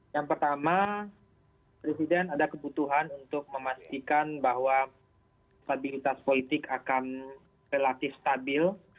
yang pertama presiden ada kebutuhan untuk memastikan bahwa stabilitas politik akan relatif stabil